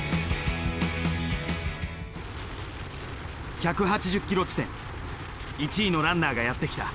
１８０ｋｍ地点１位のランナーがやって来た。